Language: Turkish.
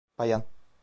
Bayan.